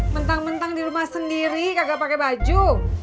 mentang mentang di rumah sendiri gagal pakai baju